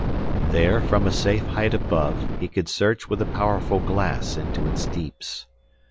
There from a safe height above he could search with a powerful glass into its deeps.